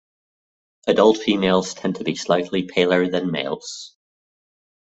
Adult females tend to be slightly paler than males.